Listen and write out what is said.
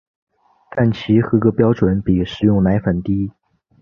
但其合格标准比食用奶粉低。